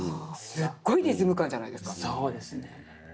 すっごいリズム感じゃないですか。